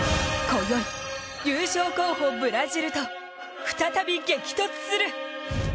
今宵、優勝候補・ブラジルと再び激突する。